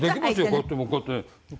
こうやってもうこうやってね。